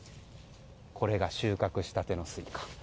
これが収穫したてのスイカ。